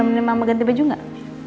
eh mana mana mama ganti baju gak